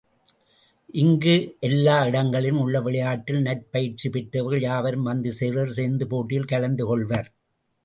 இங்கு எல்லா இடங்களிலும் உள்ள விளயாட்டில் நற்பயிற்சி பெற்றவர்கள் யாவரும் வந்து சேர்வர் சேர்ந்து போட்டியில் கலந்து கொள்வர்.